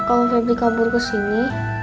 kalau febri kabur kesini